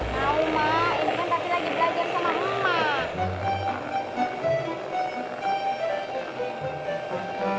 tahu mak ini kan tadi lagi belajar sama emang mak